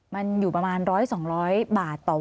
มันอยู่ประมาณร้อย๒๐๐บาท